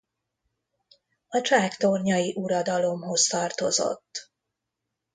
A csáktornyai uradalomhoz tartozott.